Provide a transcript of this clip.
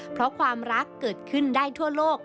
เพราะความรักเกิดขึ้นได้ทั่วโลก